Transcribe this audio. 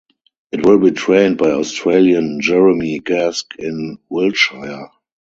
It will be trained by Australian Jeremy Gask in Wiltshire.